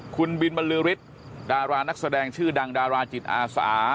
คุณบินบรรลือฤทธิ์ดารานักแสดงชื่อดังดาราจิตอาสา